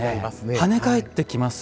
跳ね返ってきます。